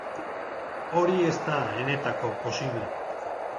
Hori ez da enetako posible.